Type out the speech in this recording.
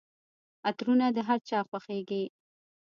عطرونه د هرچا خوښیږي.